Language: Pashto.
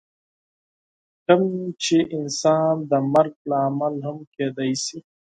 کوم چې انسان د مرګ لامل هم کیدی شي.